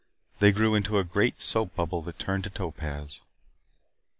They grew into a great soap bubble that turned to topaz.